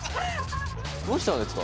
どうしたんですか？